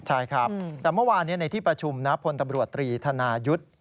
ใช่ครับแต่เมื่อวานในที่ประชุมพลตำรวจตรีธนายุทธ์